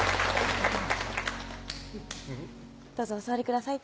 どうぞお座りください